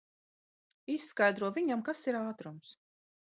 Izskaidro viņam, kas ir ātrums.